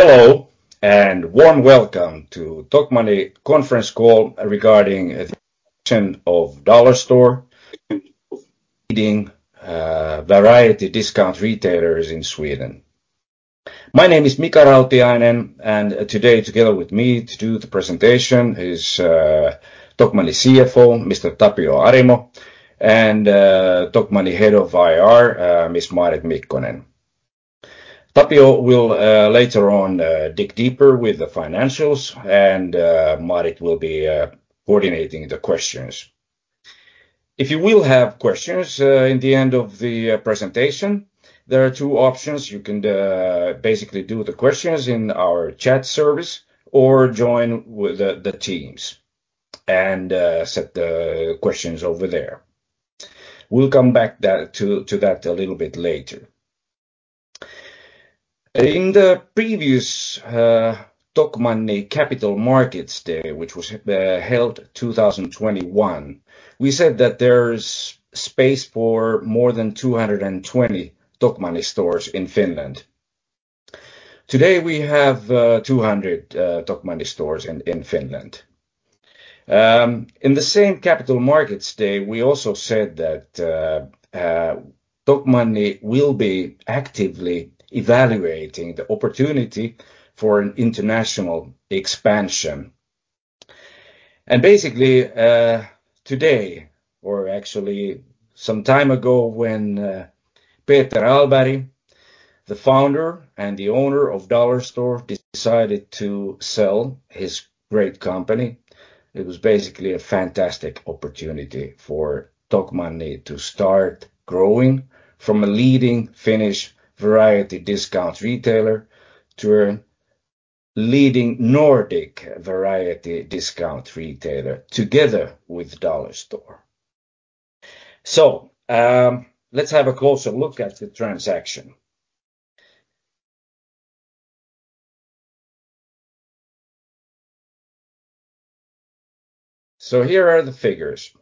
Hello, warm welcome to Tokmanni conference call regarding acquisition of Dollarstore, leading variety discount retailers in Sweden. My name is Mika Rautiainen, today, together with me to do the presentation is Tokmanni CFO, Mr. Tapio Arimo, and Tokmanni Head of IR, Miss Maarit Mikkonen. Tapio will later on dig deeper with the financials, and Maarit will be coordinating the questions. If you will have questions in the end of the presentation, there are two options. You can basically do the questions in our chat service or join with the Teams and set the questions over there. We'll come back to that a little bit later. In the previous Tokmanni Capital Markets Day, which was held 2021, we said that there's space for more than 220 Tokmanni stores in Finland. Today, we have 200 Tokmanni stores in Finland. In the same Capital Markets Day, we also said that Tokmanni will be actively evaluating the opportunity for an international expansion. Basically, today, or actually some time ago, when Peter Ahlberg, the Founder and the Owner of Dollarstore, decided to sell his great company, it was basically a fantastic opportunity for Tokmanni to start growing from a leading Finnish variety discount retailer to a leading Nordic variety discount retailer together with Dollarstore. Let's have a closer look at the transaction. Here are the figures.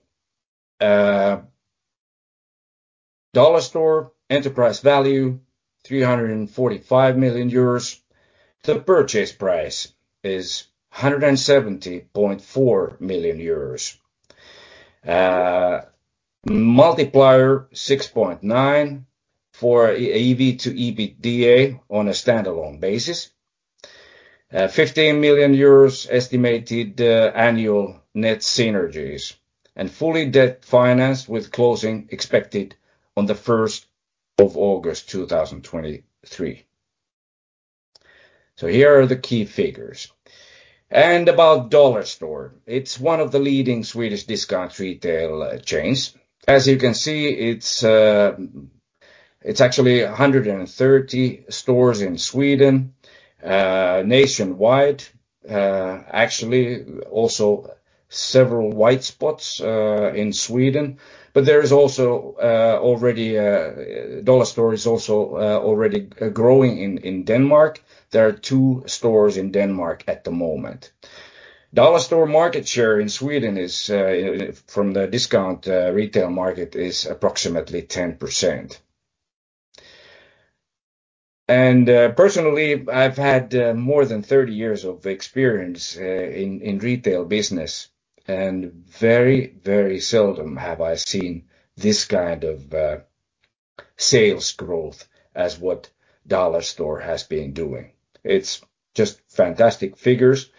Dollarstore, enterprise value, 345 million euros. The purchase price is 170.4 million euros. Multiplier 6.9 for EV/EBITDA on a standalone basis. 15 million euros estimated annual net synergies, and fully debt financed, with closing expected on the August 1st, 2023. Here are the key figures. About Dollarstore. It's one of the leading Swedish discount retail chains. As you can see, it's actually 130 stores in Sweden nationwide. Actually, also several white spots in Sweden. Dollarstore is also already growing in Denmark. There are two stores in Denmark at the moment. Dollarstore market share in Sweden is from the discount retail market, is approximately 10%. Personally, I've had more than 30 years of experience in retail business, and very, very seldom have I seen this kind of sales growth as what Dollarstore has been doing. It's just fantastic figures.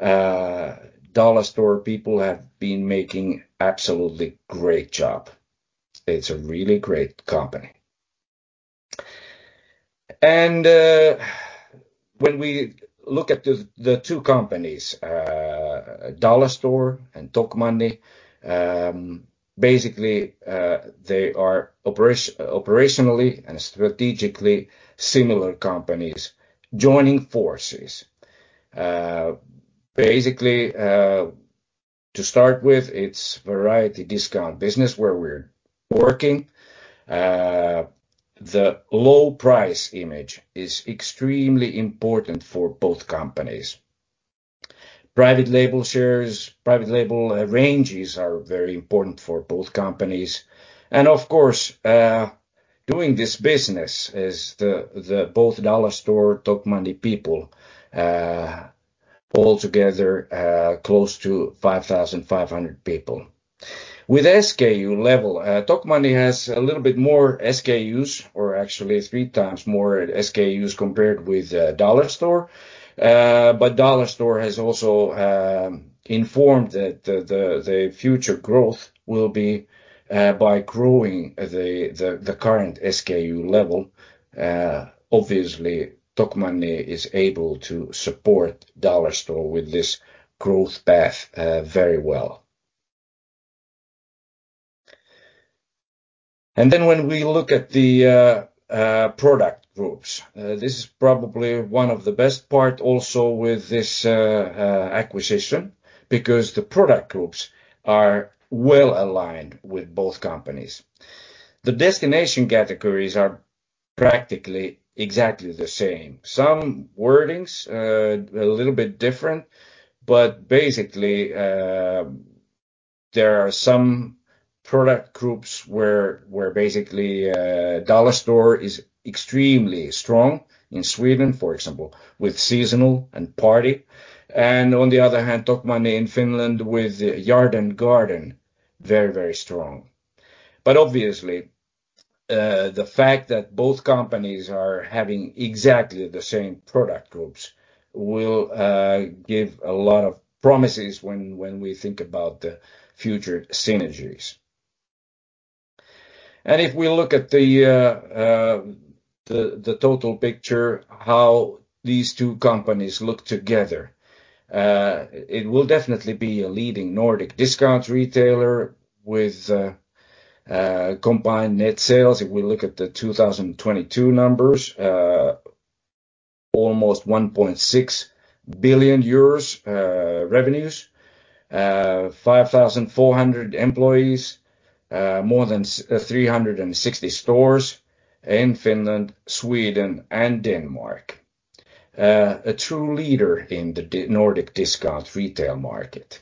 Dollarstore people have been making absolutely great job. It's a really great company. When we look at the two companies, Dollarstore and Tokmanni, basically, they are operationally and strategically similar companies joining forces. Basically, to start with, it's variety discount business where we're working. The low price image is extremely important for both companies. Private label shares, private label ranges are very important for both companies. Of course, doing this business is the both Dollarstore, Tokmanni people, all together, close to 5,500 people. With SKU level, Tokmanni has a little bit more SKUs, or actually three times more SKUs compared with Dollarstore. Dollarstore has also informed that the future growth will be by growing the current SKU level. Obviously, Tokmanni is able to support Dollarstore with this growth path very well. When we look at the product groups, this is probably one of the best part also with this acquisition, because the product groups are well aligned with both companies. The destination categories are practically exactly the same. Some wordings, a little bit different, but basically, there are some product groups where basically Dollarstore is extremely strong in Sweden, for example, with seasonal and party. On the other hand, Tokmanni in Finland with yard and garden, very strong. Obviously, the fact that both companies are having exactly the same product groups will give a lot of promises when we think about the future synergies. If we look at the total picture, how these two companies look together, it will definitely be a leading Nordic discount retailer with combined net sales. If we look at the 2022 numbers, almost 1.6 billion euros revenues, 5,400 employees, more than 360 stores in Finland, Sweden, and Denmark. A true leader in the Nordic discount retail market.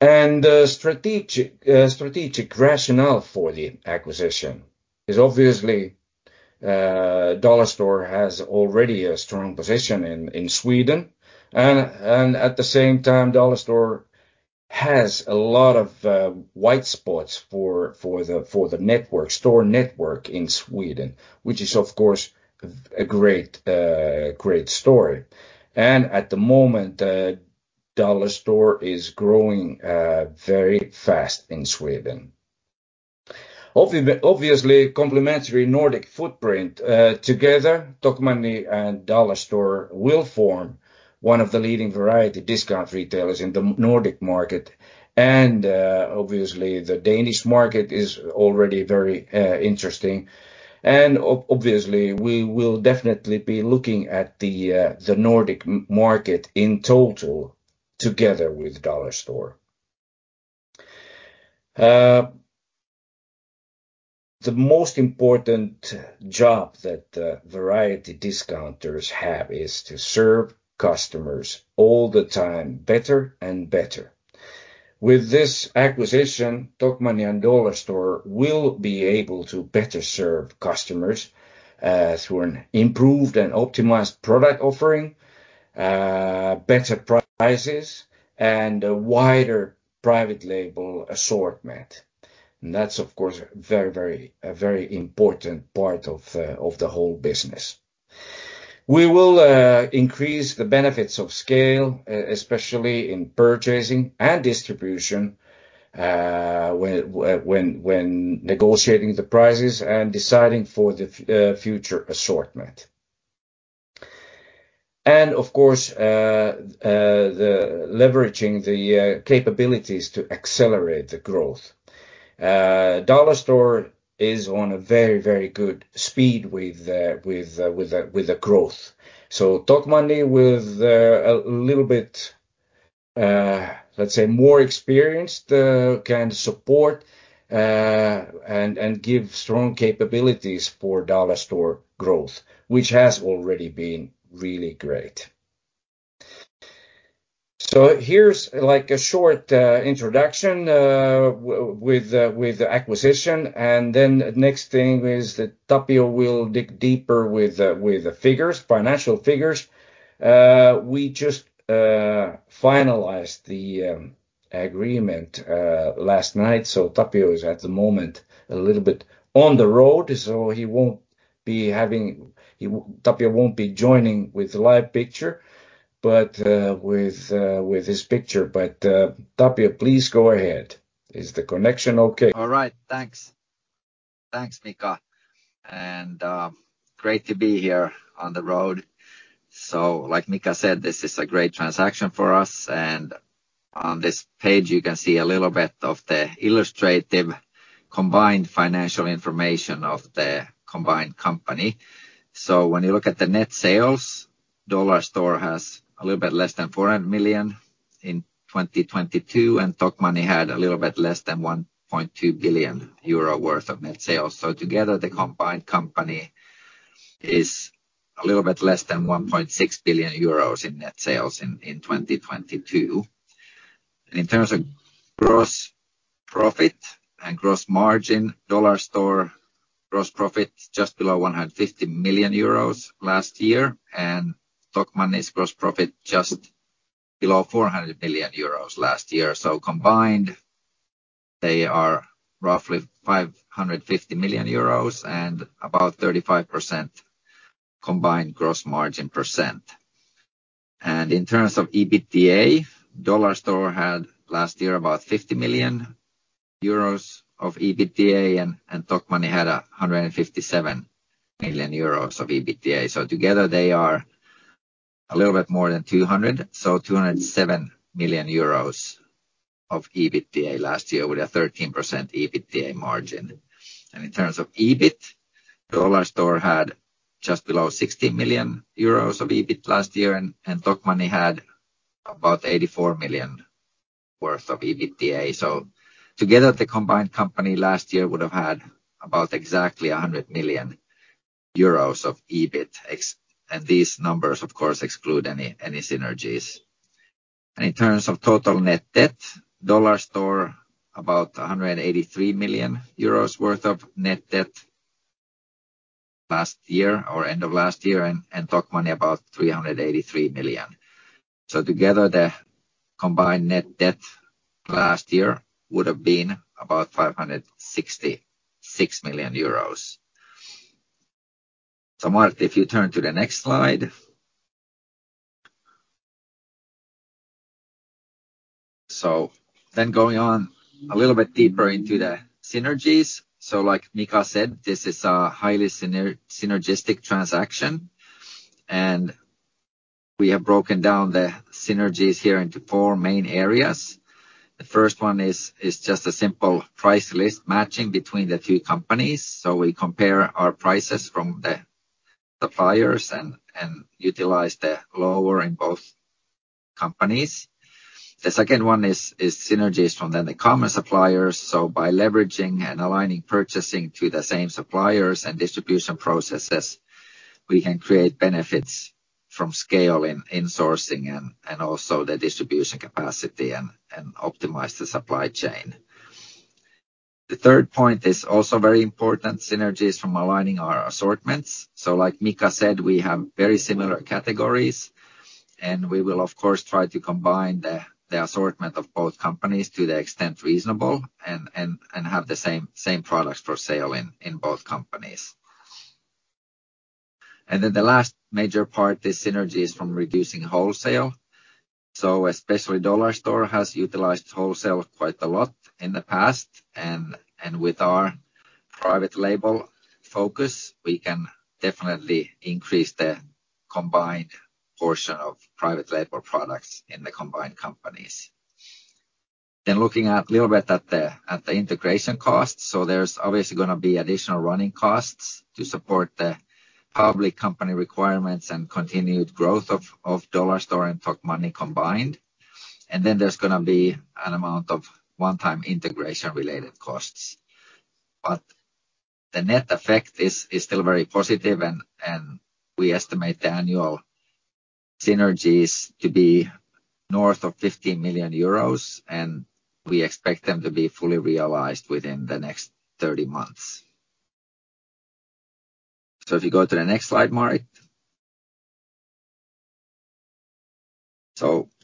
The strategic rationale for the acquisition is obviously, Dollarstore has already a strong position in Sweden. At the same time, Dollarstore has a lot of white spots for the network, store network in Sweden, which is, of course, a great story. At the moment, Dollarstore is growing very fast in Sweden. Obviously, complementary Nordic footprint. Together, Tokmanni and Dollarstore will form one of the leading variety discount retailers in the Nordic market. Obviously, the Danish market is already very interesting. Obviously, we will definitely be looking at the Nordic market in total together with Dollarstore. The most important job that variety discounters have is to serve customers all the time, better and better. With this acquisition, Tokmanni and Dollarstore will be able to better serve customers through an improved and optimized product offering, better prices, and a wider private label assortment. That's, of course, a very important part of the whole business. We will increase the benefits of scale, especially in purchasing and distribution, when negotiating the prices and deciding for the future assortment. Of course, the leveraging the capabilities to accelerate the growth. Dollarstore is on a very good speed with the growth. Tokmanni with a little bit, let's say, more experienced, can support and give strong capabilities for Dollarstore growth, which has already been really great. Here's, like, a short introduction with the acquisition, and then next thing is that Tapio will dig deeper with the figures, financial figures. We just finalized the agreement last night. Tapio is, at the moment, a little bit on the road. Tapio won't be joining with live picture, but with his picture. Tapio, please go ahead. Is the connection okay? All right. Thanks. Thanks, Mika, great to be here on the road. Like Mika said, this is a great transaction for us, on this page, you can see a little bit of the illustrative combined financial information of the combined company. When you look at the net sales, Dollarstore has a little bit less than 400 million in 2022, Tokmanni had a little bit less than 1.2 billion euro worth of net sales. Together, the combined company is a little bit less than 1.6 billion euros in net sales in 2022. In terms of gross profit and gross margin, Dollarstore gross profit just below 150 million euros last year, Tokmanni's gross profit just below 400 million euros last year. Combined, they are roughly 550 million euros and about 35% combined gross margin percent. In terms of EBITDA, Dollarstore had last year about 50 million euros of EBITDA, and Tokmanni had 157 million euros of EBITDA. Together, they are a little bit more than 200, so 207 million euros of EBITDA last year, with a 13% EBITDA margin. In terms of EBIT, Dollarstore had just below 60 million euros of EBIT last year, and Tokmanni had about 84 million worth of EBITDA. Together, the combined company last year would have had about exactly 100 million euros of EBIT, and these numbers, of course, exclude any synergies. In terms of total net debt, Dollarstore, about 183 million euros worth of net debt last year or end of last year, and Tokmanni about 383 million. Together, the combined net debt last year would have been about 566 million euros. Maarit, if you turn to the next slide. Going on a little bit deeper into the synergies. Like Mika said, this is a highly synergistic transaction, and we have broken down the synergies here into four main areas. The first one is just a simple price list matching between the two companies. We compare our prices from the suppliers and utilize the lower in both companies. The second one is synergies from the common suppliers. By leveraging and aligning purchasing to the same suppliers and distribution processes, we can create benefits from scale in sourcing and also the distribution capacity and optimize the supply chain. The third point is also very important, synergies from aligning our assortments. Like Mika said, we have very similar categories, and we will, of course, try to combine the assortment of both companies to the extent reasonable and have the same products for sale in both companies. The last major part is synergies from reducing wholesale. Especially Dollarstore has utilized wholesale quite a lot in the past, and with our private label focus, we can definitely increase the combined portion of private label products in the combined companies. Looking a little bit at the integration costs. There's obviously gonna be additional running costs to support the public company requirements and continued growth of Dollarstore and Tokmanni combined. There's gonna be an amount of one-time integration-related costs. The net effect is still very positive, and we estimate the annual synergies to be north of 50 million euros, and we expect them to be fully realized within the next 30 months. If you go to the next slide, Maarit.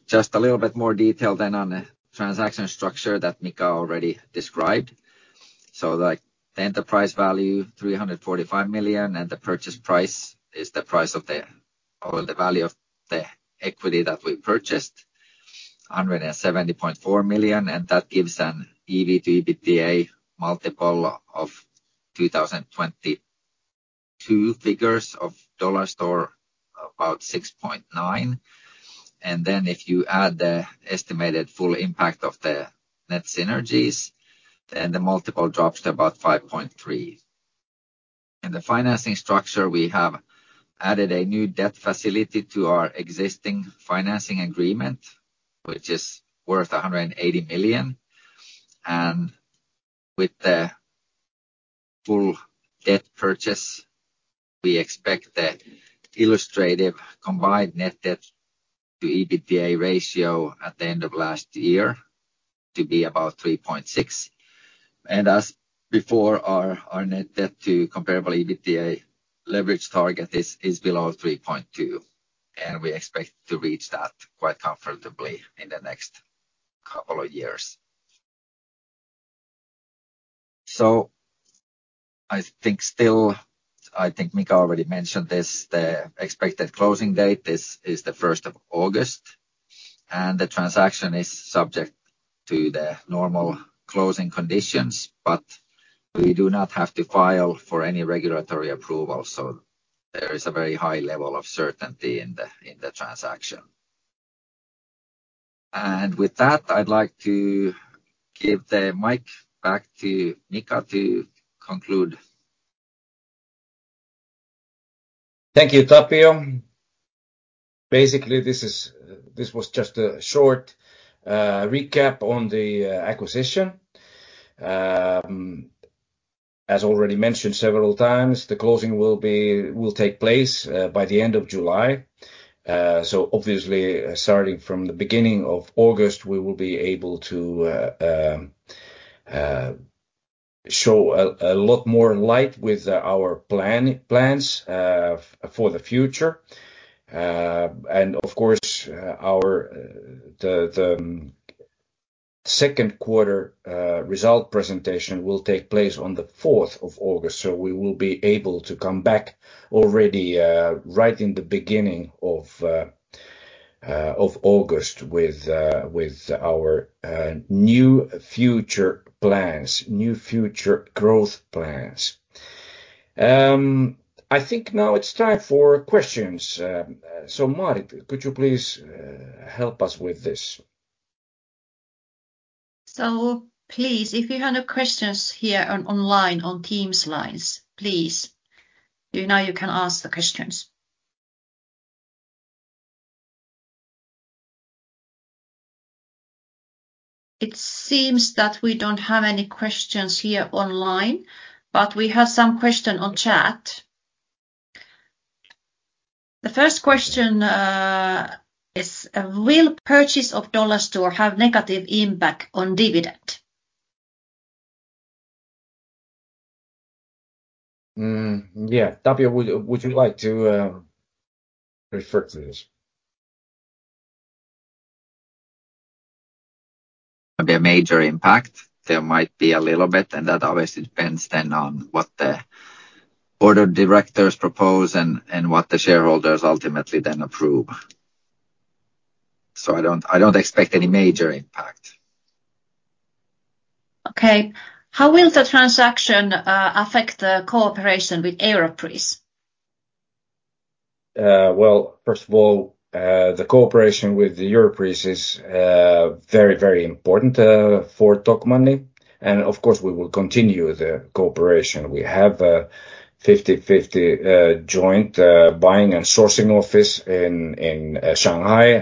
Just a little bit more detail then on the transaction structure that Mika already described. Like, the enterprise value, 345 million, and the purchase price is the value of the equity that we purchased, 170.4 million, and that gives an EV to EBITDA multiple of 2022 figures of Dollarstore, about 6.9. If you add the estimated full impact of the net synergies, then the multiple drops to about 5.3. In the financing structure, we have added a new debt facility to our existing financing agreement, which is worth 180 million. With the full debt purchase, we expect the illustrative combined net debt to EBITDA ratio at the end of last year to be about 3.6. As before, our net debt to comparable EBITDA leverage target is below 3.2, and we expect to reach that quite comfortably in the next couple of years. I think still, I think Mika already mentioned this, the expected closing date is the August 1st, and the transaction is subject to the normal closing conditions, but we do not have to file for any regulatory approval, so there is a very high level of certainty in the transaction. With that, I'd like to give the mic back to Mika to conclude. Thank you, Tapio. Basically, this was just a short recap on the acquisition. As already mentioned several times, the closing will take place by the end of July. Obviously, starting from the beginning of August, we will be able to show a lot more light with our plans for the future. Of course, our second quarter result presentation will take place on the August 4th, we will be able to come back already right in the beginning of August with our new future plans, new future growth plans. I think now it's time for questions. Maarit, could you please help us with this? Please, if you have any questions here online on Teams lines, please, you know, you can ask the questions.... It seems that we don't have any questions here online, but we have some question on chat. The first question is, "Will purchase of Dollarstore have negative impact on dividend? Yeah, Tapio, would you like to refer to this? Be a major impact. There might be a little bit, and that obviously depends then on what the board of directors propose and what the shareholders ultimately then approve. I don't, I don't expect any major impact. Okay. "How will the transaction affect the cooperation with Europris? Well, first of all, the cooperation with Europris is very, very important for Tokmanni. Of course, we will continue the cooperation. We have a 50/50 joint buying and sourcing office in Shanghai.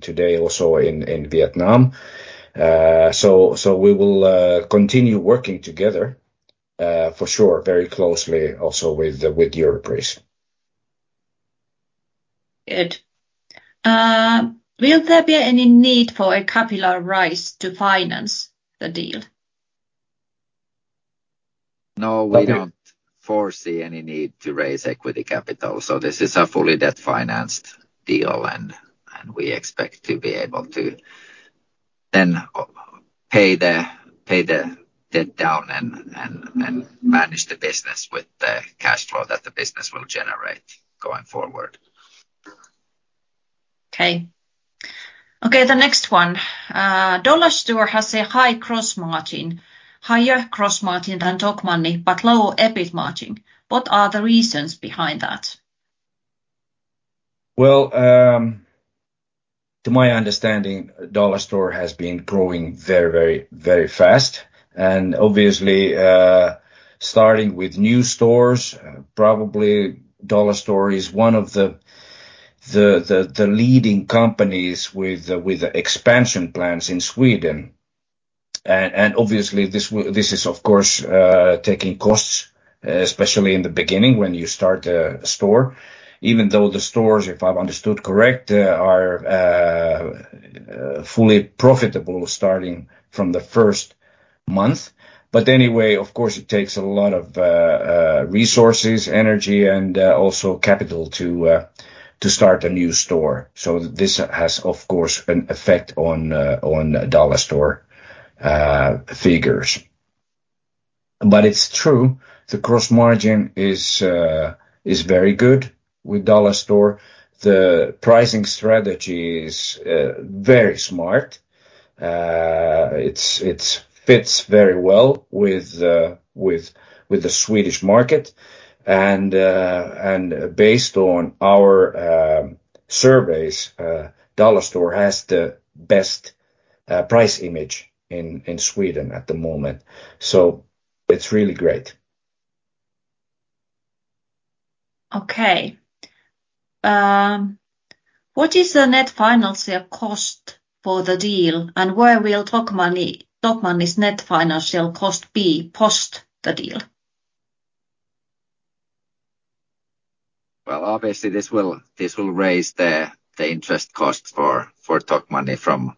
Today also in Vietnam. We will continue working together for sure, very closely also with Europris. Good. "Will there be any need for a capital rise to finance the deal? No, we don't foresee any need to raise equity capital, so this is a fully debt-financed deal, and we expect to be able to then pay the debt down and manage the business with the cash flow that the business will generate going forward. Okay. Okay, the next one. "Dollarstore has a high gross margin, higher gross margin than Tokmanni, but low EBIT margin. What are the reasons behind that? Well, to my understanding, Dollarstore has been growing very, very, very fast, and obviously, starting with new stores, probably Dollarstore is one of the leading companies with expansion plans in Sweden. Obviously, this is, of course, taking costs, especially in the beginning when you start a store. Even though the stores, if I've understood correct, are fully profitable starting from the first month. Anyway, of course, it takes a lot of resources, energy, and also capital to start a new store. This has, of course, an effect on Dollarstore figures. It's true, the gross margin is very good with Dollarstore. The pricing strategy is very smart. It's, it fits very well with the Swedish market, and based on our surveys, Dollarstore has the best price image in Sweden at the moment, so it's really great. What is the net financial cost for the deal, and where will Tokmanni's net financial cost be post the deal? Obviously, this will raise the interest cost for Tokmanni from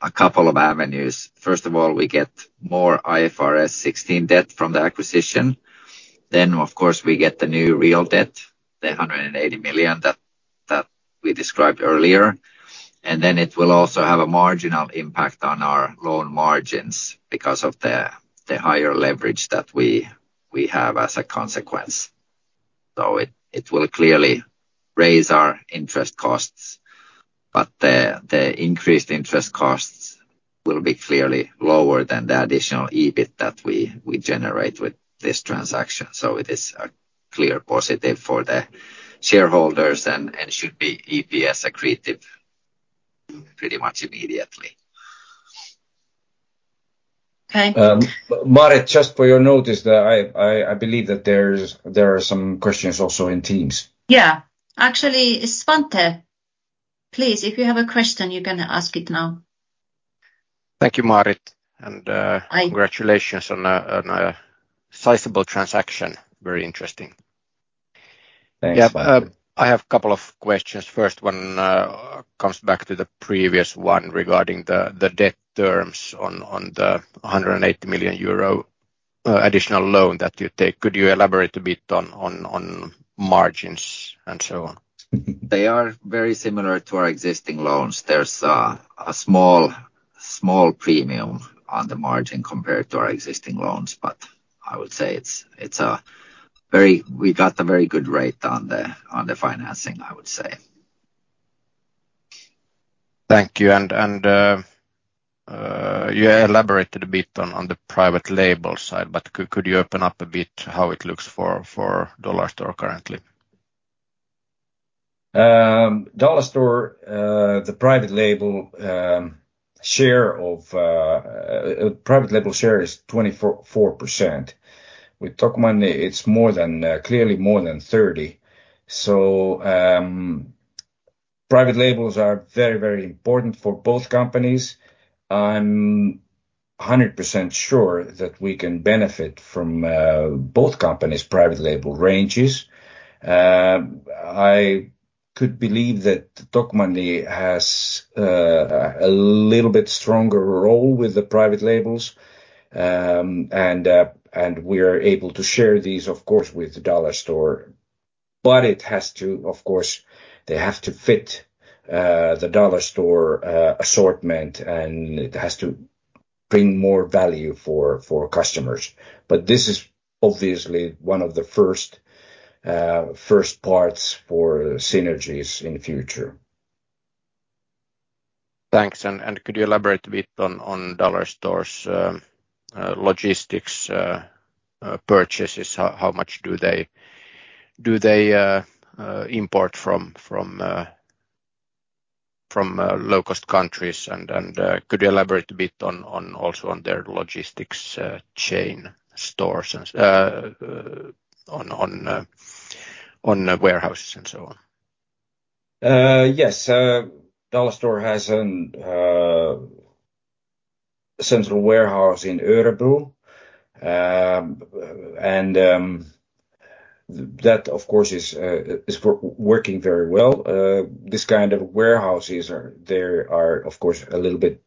a couple of avenues. First of all, we get more IFRS 16 debt from the acquisition, of course, we get the new real debt, the 180 million that we described earlier, it will also have a marginal impact on our loan margins because of the higher leverage that we have as a consequence. It will clearly raise our interest costs, the increased interest costs will be clearly lower than the additional EBIT that we generate with this transaction. It is a clear positive for the shareholders and should be EPS accretive pretty much immediately. Okay. Maarit, just for your notice, that I believe that there are some questions also in Teams. Yeah. Actually, Svante, please, if you have a question, you can ask it now. Thank you, Maarit, and. Hi... congratulations on a sizable transaction. Very interesting. Thanks, Svante. I have a couple of questions. First one comes back to the previous one regarding the debt terms on the 180 million euro additional loan that you take. Could you elaborate a bit on margins and so on? They are very similar to our existing loans. There's a small premium on the margin compared to our existing loans. I would say we got a very good rate on the financing, I would say. Thank you, and you elaborated a bit on the private label side, but could you open up a bit how it looks for Dollarstore currently? Dollarstore, the private label share is 24.4%. With Tokmanni, it's more than clearly more than 30. Private labels are very, very important for both companies. I'm 100% sure that we can benefit from both companies' private label ranges. I could believe that Tokmanni has a little bit stronger role with the private labels. We are able to share these, of course, with Dollarstore, but Of course, they have to fit the Dollarstore assortment, and it has to bring more value for customers. This is obviously one of the first parts for synergies in future. Thanks. Could you elaborate a bit on Dollarstore's logistics purchases? How much do they import from low-cost countries? Could you elaborate a bit on also on their logistics chain stores and on warehouses, and so on? Yes. Dollarstore has an central warehouse in Örebro. That, of course, is working very well. This kind of warehouses are, they are, of course, a little bit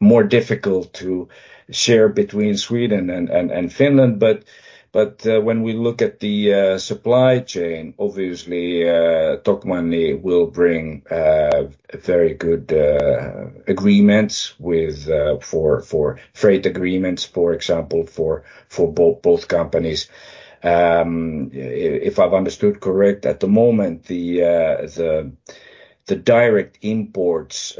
more difficult to share between Sweden and Finland, but when we look at the supply chain, obviously, Tokmanni will bring very good agreements for freight agreements, for example, for both companies. If I've understood correct, at the moment the direct imports,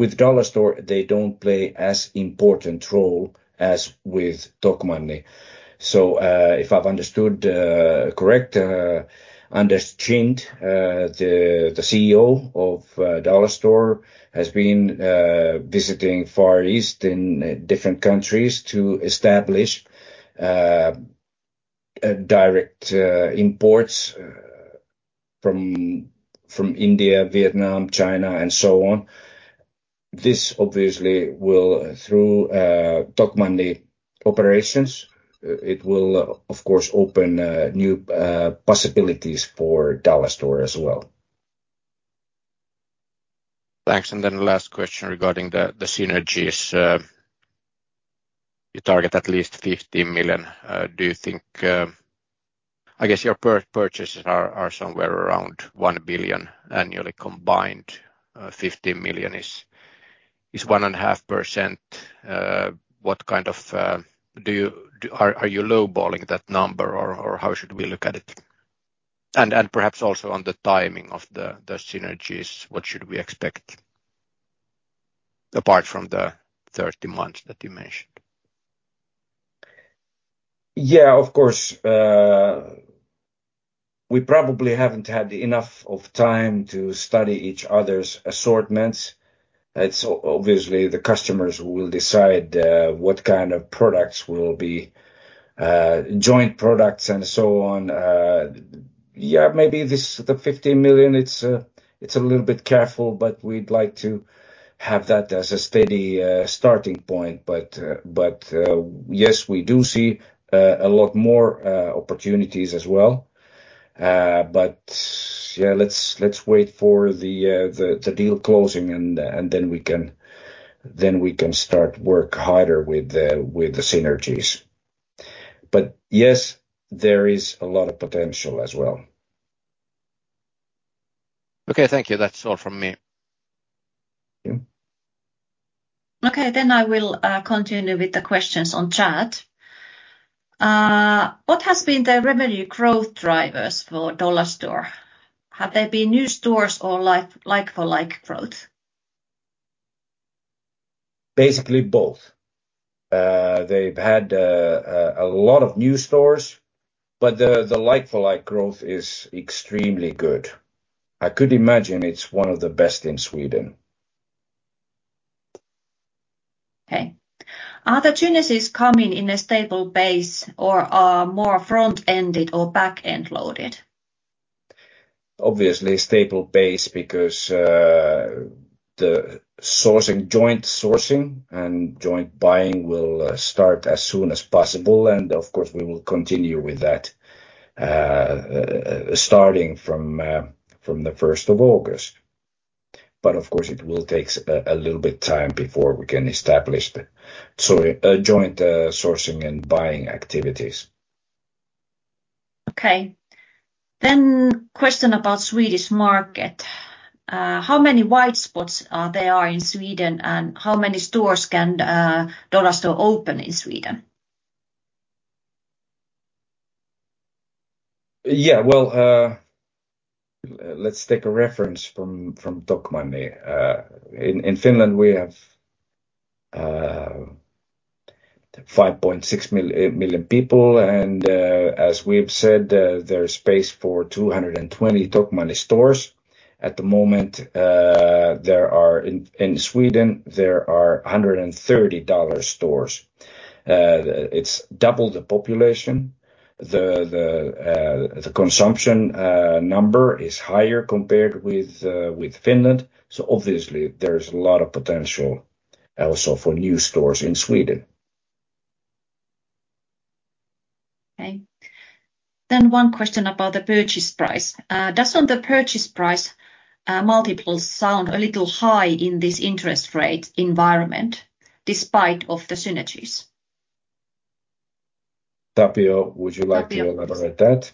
With Dollarstore, they don't play as important role as with Tokmanni. If I've understood correct, Anders Kind, the CEO of Dollarstore, has been visiting Far East in different countries to establish direct imports from India, Vietnam, China, and so on. This obviously will, through Tokmanni operations, it will, of course, open new possibilities for Dollarstore as well. Thanks. Then the last question regarding the synergies. You target at least 15 million. I guess your purchases are somewhere around 1 billion annually combined. 15 million is 1.5%. What kind of, are you lowballing that number, or how should we look at it? Perhaps also on the timing of the synergies, what should we expect, apart from the 30 months that you mentioned? Yeah, of course. We probably haven't had enough of time to study each other's assortments. It's obviously the customers who will decide what kind of products will be joint products, and so on. Yeah, maybe this, the 15 million, it's a little bit careful, but we'd like to have that as a steady starting point. Yes, we do see a lot more opportunities as well. Yeah, let's wait for the deal closing, then we can start work harder with the synergies. Yes, there is a lot of potential as well. Okay, thank you. That's all from me. Thank you. Okay. I will continue with the questions on chat. What has been the revenue growth drivers for Dollarstore? Have there been new stores or like-for-like growth? Basically, both. They've had a lot of new stores, but the like-for-like growth is extremely good. I could imagine it's one of the best in Sweden. Okay. Are the synergies coming in a stable base or are more front-ended or back-end loaded? Obviously, stable base, because the sourcing, joint sourcing and joint buying will start as soon as possible, and of course, we will continue with that, starting from the first of August. Of course, it will take a little bit time before we can establish joint sourcing and buying activities. Okay. Question about Swedish market. How many white spots are there in Sweden, and how many stores can Dollarstore open in Sweden? Well, let's take a reference from Tokmanni. In Finland, we have 5.6 million people, as we've said, there's space for 220 Tokmanni stores. At the moment, in Sweden, there are 130 Dollarstore stores. It's double the population. The consumption number is higher compared with Finland, obviously there's a lot of potential also for new stores in Sweden. Okay. One question about the purchase price. Doesn't the purchase price multiples sound a little high in this interest rate environment, despite of the synergies? Tapio, would you like to Tapio... elaborate that?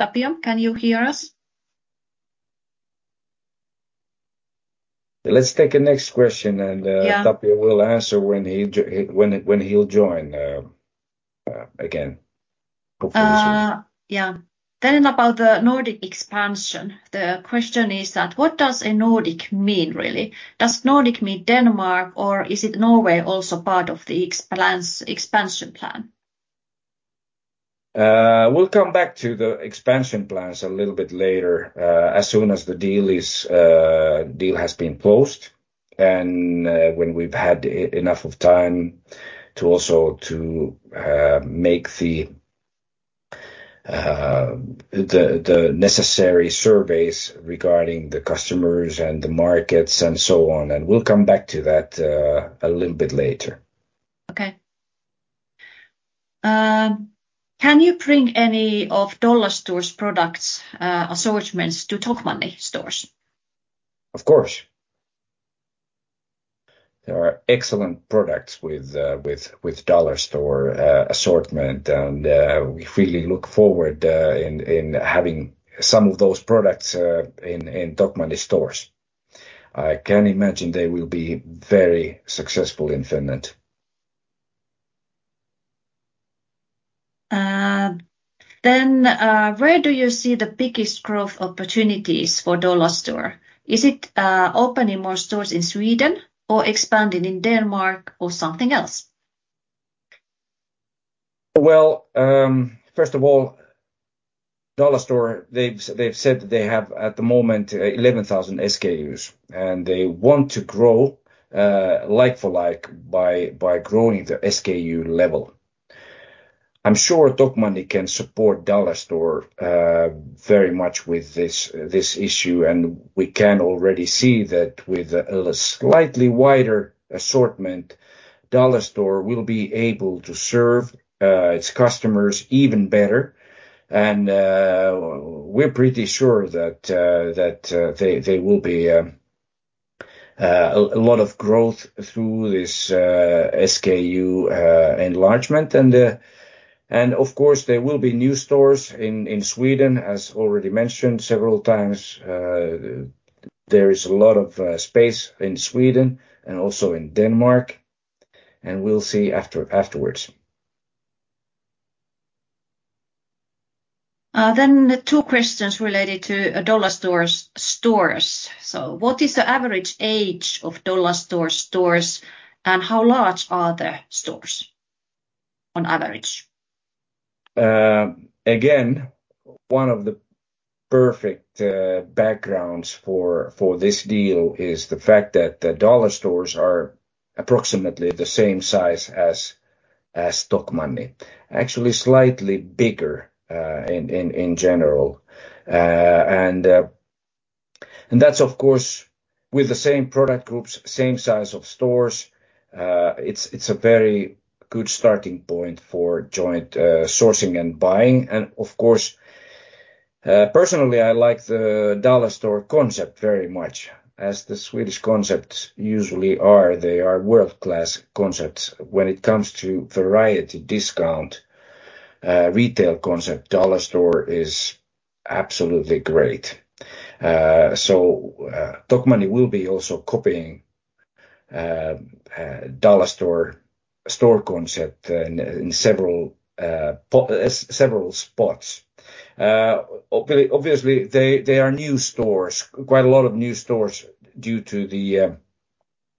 Tapio, can you hear us? Let's take the next question, and. Yeah Tapio will answer when he when he'll join again. Hopefully soon. Yeah. About the Nordic expansion, the question is that what does a Nordic mean really? Does Nordic mean Denmark, or is it Norway also part of the expansion plan? We'll come back to the expansion plans a little bit later, as soon as the deal has been closed and, when we've had enough of time to also make the necessary surveys regarding the customers and the markets and so on, and we'll come back to that, a little bit later. Can you bring any of Dollarstore's products, assortments to Tokmanni stores? Of course. There are excellent products with Dollarstore assortment. We really look forward in having some of those products in Tokmanni stores. I can imagine they will be very successful in Finland. Where do you see the biggest growth opportunities for Dollarstore? Is it opening more stores in Sweden or expanding in Denmark or something else? Well, first of all, Dollarstore, they've said they have, at the moment, 11,000 SKUs, and they want to grow like-for-like by growing the SKU level. I'm sure Tokmanni can support Dollarstore very much with this issue, and we can already see that with a slightly wider assortment, Dollarstore will be able to serve its customers even better. We're pretty sure that there will be a lot of growth through this SKU enlargement. Of course, there will be new stores in Sweden, as already mentioned several times. There is a lot of space in Sweden and also in Denmark, and we'll see afterwards. Two questions related to Dollarstore stores. What is the average age of Dollarstore stores, and how large are the stores on average? Again, one of the perfect backgrounds for this deal is the fact that the Dollarstore are approximately the same size as Tokmanni. Actually, slightly bigger in general. That's of course, with the same product groups, same size of stores, it's a very good starting point for joint sourcing and buying. Of course, personally, I like the Dollarstore concept very much, as the Swedish concepts usually are. They are world-class concepts. When it comes to variety, discount retail concept, Dollarstore is absolutely great. Tokmanni will be also copying Dollarstore store concept in several spots. Obviously, they are new stores, quite a lot of new stores, due to the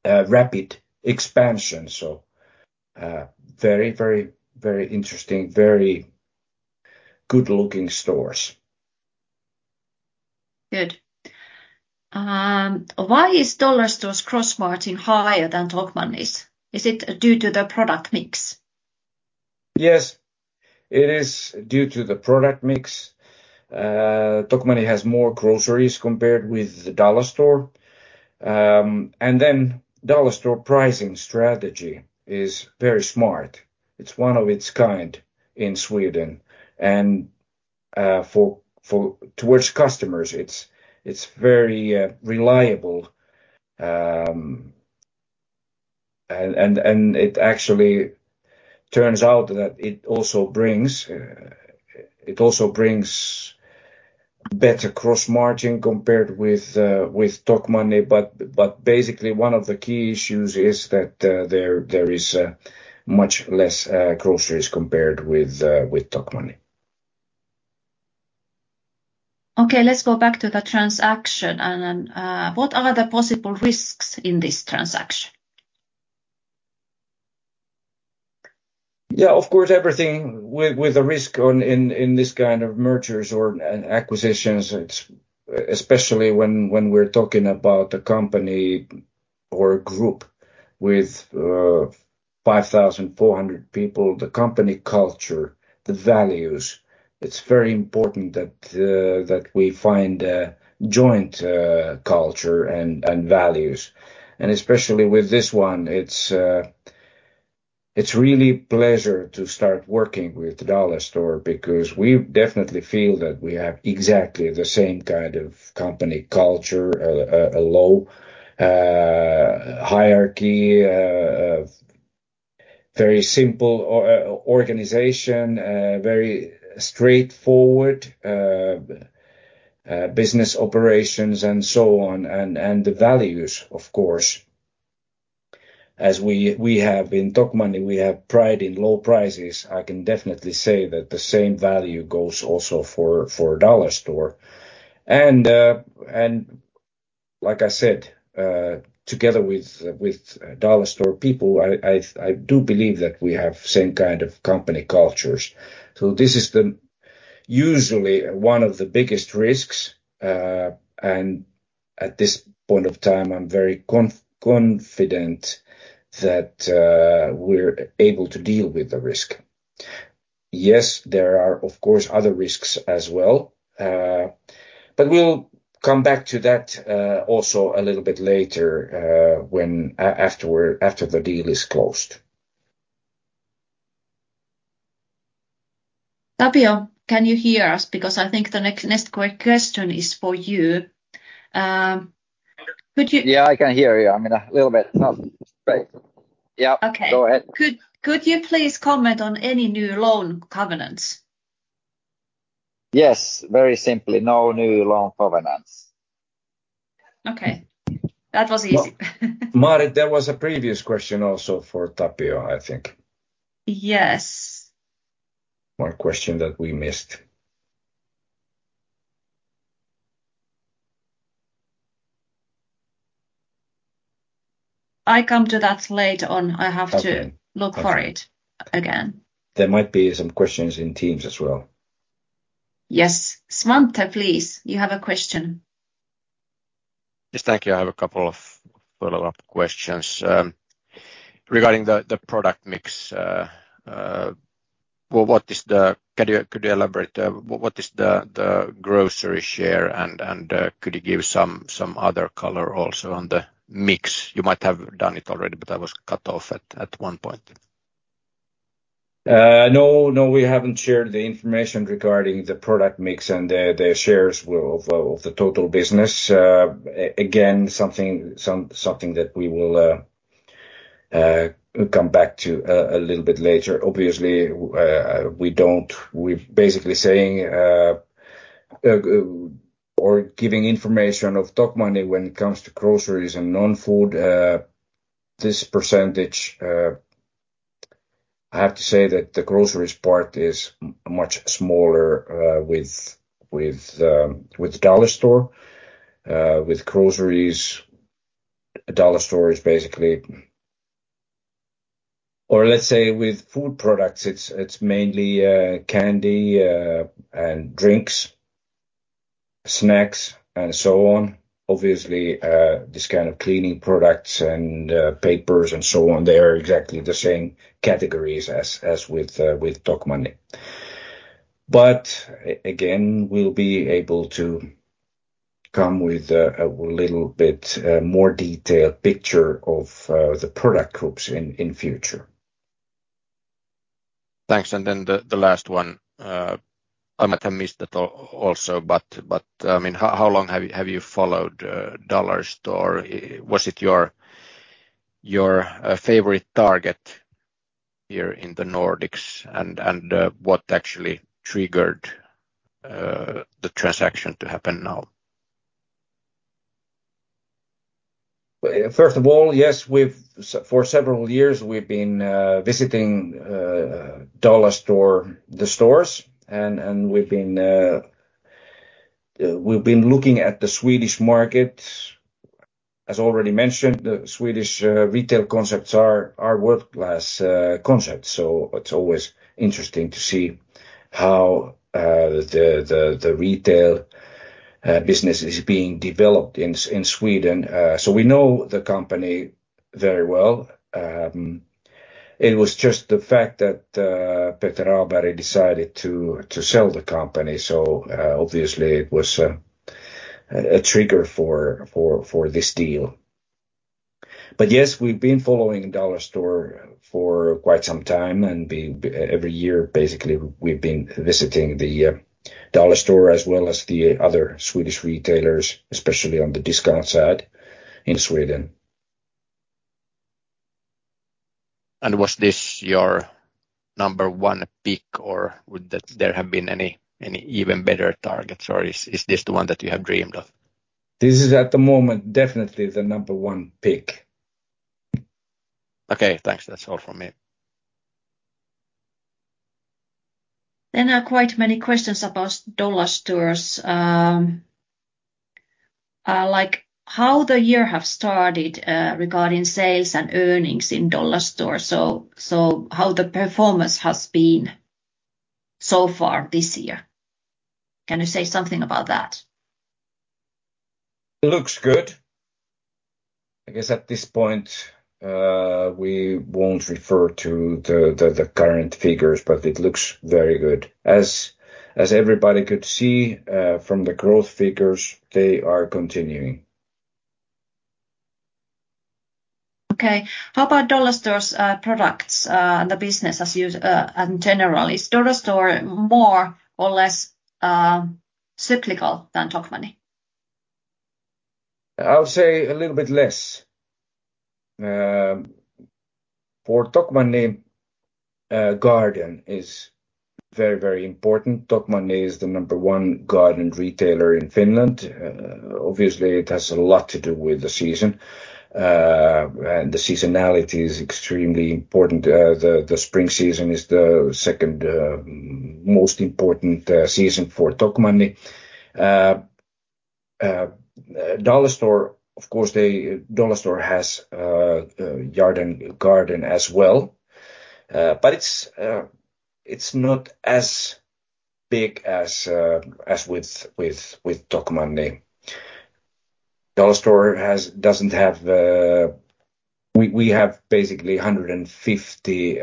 rapid expansion very, very, very interesting, very good-looking stores. Good. Why is Dollarstore's gross margin higher than Tokmanni's? Is it due to the product mix? Yes, it is due to the product mix. Tokmanni has more groceries compared with the Dollarstore. Dollarstore pricing strategy is very smart. It's one of its kind in Sweden, and Towards customers, it's very reliable. It actually turns out that it also brings better gross margin compared with Tokmanni. Basically, one of the key issues is that there is much less groceries compared with Tokmanni. Okay, let's go back to the transaction. What are the possible risks in this transaction? Of course, everything with the risk on in this kind of mergers or, and acquisitions, it's especially when we're talking about a company or a group with 5,400 people, the company culture, the values, it's very important that we find a joint culture and values. Especially with this one, it's really pleasure to start working with Dollarstore, because we definitely feel that we have exactly the same kind of company culture, a low hierarchy, a very simple organization, very straightforward business operations, and so on. The values, of course, as we have in Tokmanni, we have pride in low prices. I can definitely say that the same value goes also for Dollarstore. Like I said, together with Dollarstore people, I do believe that we have same kind of company cultures. This is the usually one of the biggest risks. At this point of time, I'm very confident that we're able to deal with the risk. There are, of course, other risks as well, but we'll come back to that also a little bit later after the deal is closed. Tapio, can you hear us? I think the next question is for you. Yeah, I can hear you. I mean, a little bit. Yeah. Okay. Go ahead. Could you please comment on any new loan covenants? Yes, very simply, no new loan covenants. Okay. That was easy. Maarit, there was a previous question also for Tapio, I think. Yes. One question that we missed. I come to that later on. Okay. I have to look for it again. There might be some questions in Teams as well. Yes. Svante, please, you have a question. Yes, thank you. I have a couple of follow-up questions. Regarding the product mix, could you elaborate what is the grocery share? Could you give some other color also on the mix? You might have done it already, but I was cut off at one point. No, we haven't shared the information regarding the product mix, and the shares of the total business. Again, something that we will come back to a little bit later. We're basically saying or giving information of Tokmanni when it comes to groceries and non-food, this percentage, I have to say that the groceries part is much smaller with Dollarstore. With groceries, let's say with food products, it's mainly candy and drinks, snacks, and so on. This kind of cleaning products and papers and so on, they are exactly the same categories as with Tokmanni again, we'll be able to come with a little bit, more detailed picture of the product groups in future. Thanks. The last one, I might have missed it also, but, I mean, how long have you followed Dollarstore? Was it your favorite target here in the Nordics? What actually triggered the transaction to happen now? First of all, yes, we've for several years, we've been visiting Dollarstore, the stores, and we've been looking at the Swedish market. As already mentioned, the Swedish retail concepts are world-class concepts, it's always interesting to see how the retail business is being developed in Sweden. We know the company very well. It was just the fact that Peter Ahlberg decided to sell the company, obviously, it was a trigger for this deal. Yes, we've been following Dollarstore for quite some time, and every year, basically, we've been visiting Dollarstore as well as the other Swedish retailers, especially on the discount side in Sweden. Was this your number one pick, or would that there have been any even better targets, or is this the one that you have dreamed of? This is, at the moment, definitely the number one pick. Okay, thanks. That's all from me. There are quite many questions about Dollarstore. like how the year have started, regarding sales and earnings in Dollarstore. How the performance has been so far this year? Can you say something about that? It looks good. I guess at this point, we won't refer to the current figures, but it looks very good. As everybody could see, from the growth figures, they are continuing. Okay. How about Dollarstore's products and the business as you, and generally, is Dollarstore more or less cyclical than Tokmanni? I would say a little bit less. For Tokmanni, garden is very, very important. Tokmanni is the number one garden retailer in Finland. Obviously, it has a lot to do with the season, and the seasonality is extremely important. The spring season is the second most important season for Tokmanni. Dollarstore, of course, Dollarstore has yard and garden as well, but it's not as big as with Tokmanni. Dollarstore doesn't have. We have basically 150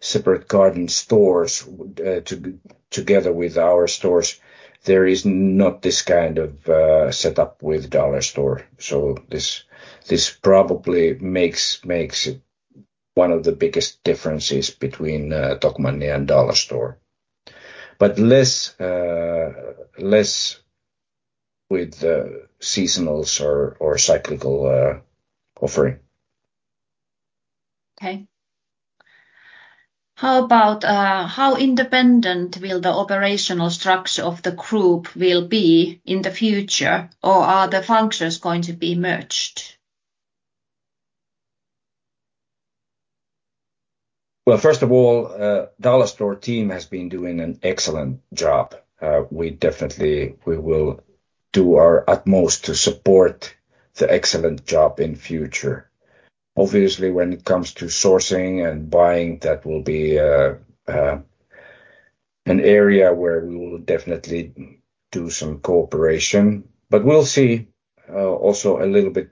separate garden stores together with our stores. There is not this kind of setup with Dollarstore, so this probably makes it one of the biggest differences between Tokmanni and Dollarstore. Less with the seasonals or cyclical offering. Okay. How about how independent will the operational structure of the group will be in the future, or are the functions going to be merged? Well, first of all, Dollarstore team has been doing an excellent job. We definitely, we will do our utmost to support the excellent job in future. Obviously, when it comes to sourcing and buying, that will be an area where we will definitely do some cooperation. We'll see also a little bit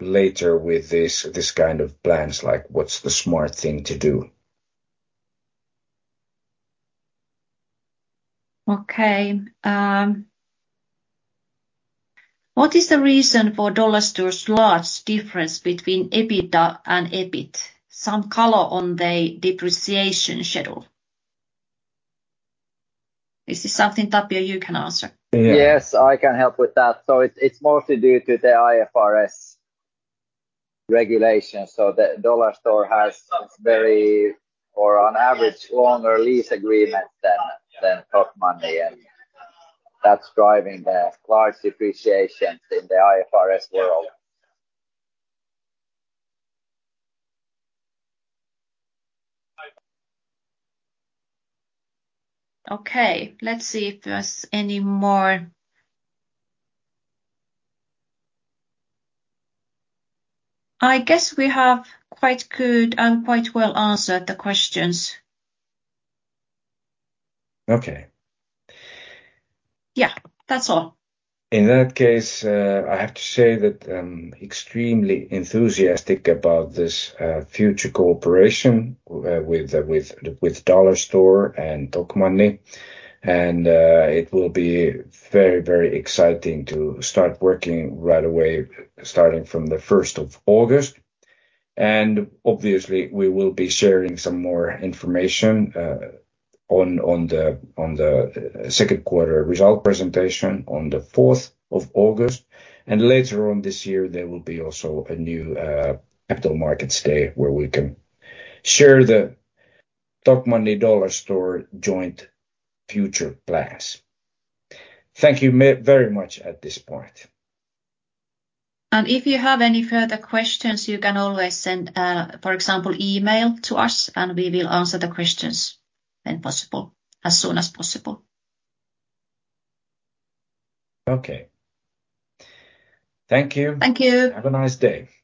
later with this kind of plans, like what's the smart thing to do? Okay. What is the reason for Dollarstore's large difference between EBITDA and EBIT? Some color on the depreciation schedule. Is this something, Tapio, you can answer? Yes, I can help with that. It's mostly due to the IFRS regulations. The Dollarstore has very, or on average, longer lease agreements than Tokmanni, and that's driving the large depreciation in the IFRS world. Let's see if there's any more. I guess we have quite good, quite well answered the questions. Okay. Yeah, that's all. In that case, I have to say that I'm extremely enthusiastic about this future cooperation with Dollarstore and Tokmanni, it will be very, very exciting to start working right away, starting from the first of August. Obviously, we will be sharing some more information on the second quarter result presentation on the fourth of August. Later on this year, there will be also a new Capital Markets Day, where we can share the Tokmanni-Dollarstore joint future plans. Thank you very much at this point. If you have any further questions, you can always send, for example, email to us, and we will answer the questions when possible, as soon as possible. Okay. Thank you. Thank you! Have a nice day.